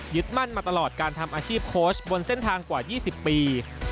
มั่นมาตลอดการทำอาชีพโค้ชบนเส้นทางกว่า๒๐ปี